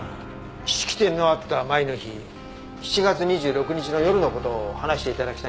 式典のあった前の日７月２６日の夜の事を話して頂きたいんですが。